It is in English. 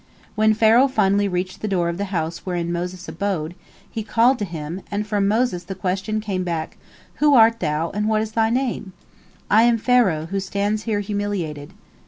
When Pharaoh finally reached the door of the house wherein Moses abode, he called to him, and from Moses the question came back, "Who art thou, and what is thy name?"—"I am Pharaoh, who stands here humiliated."